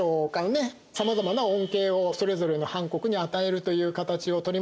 さまざまな恩恵をそれぞれのハン国に与えるという形をとりました。